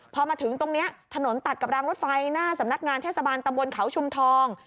พอมาถึงตรงนี้ถนนตัดกับรางรถไฟหน้าสำนักงานเทศบาลตำบลเขาชุมทอง